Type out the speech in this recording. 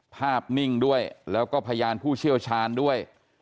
นิ่งด้วยแล้วก็พยานผู้เชี่ยวชาญด้วย